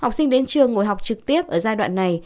học sinh đến trường ngồi học trực tiếp ở giai đoạn này